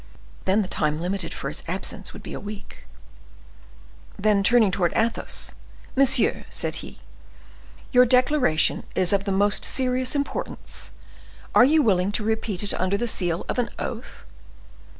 Then the time limited for his absence would be a week." Then, turning towards Athos: "Monsieur," said he, "your declaration is of the most serious importance; are you willing to repeat it under the seal of an oath?"